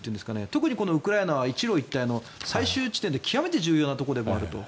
特にウクライナは一路一帯の最終地点で極めて重要なところでもあると。